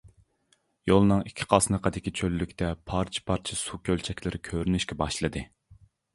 يولنىڭ ئىككى قاسنىقىدىكى چۆللۈكتە پارچە-پارچە سۇ كۆلچەكلىرى كۆرۈنۈشكە باشلىدى.